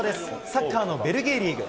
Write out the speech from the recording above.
サッカーのベルギーリーグ。